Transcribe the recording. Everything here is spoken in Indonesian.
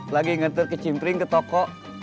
lagi ngetur ke cimpring ke toko